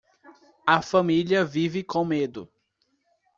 A família vive com medo